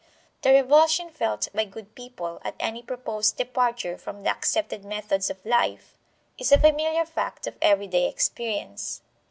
The revulsion felt by good people at any proposed departure from the accepted methods of life is a familiar fact of everyday experience.